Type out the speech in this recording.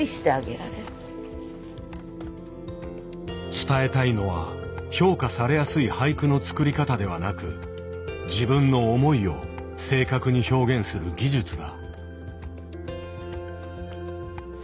伝えたいのは評価されやすい俳句の作り方ではなく自分の思いを正確に表現する技術だ。